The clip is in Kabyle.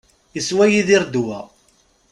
Iswa Yidir ddwa.